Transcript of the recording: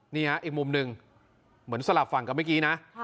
นี่ฮะอีกมุมหนึ่งเหมือนสลับฝั่งกับเมื่อกี้นะ